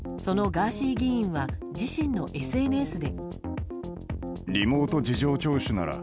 そのガーシー議員は自身のＳＮＳで。